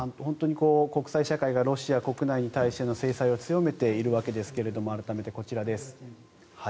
本当に国際社会がロシア国内に対しての制裁を強めているわけですが改めてこちらです。